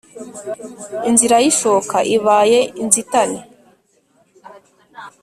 Inzira y'ishoka ibaye inzitane !